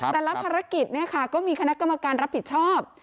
แต่ละภารกิจก็มีคณะกรรมการรับผิดชอบ